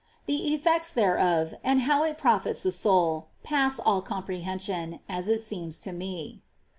The effects thereof, and how it profits the soul, pass all comprehension, as it seems to me.